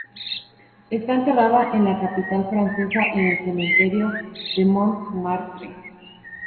Está enterrada en la capital francesa, en el cementerio de Montmartre.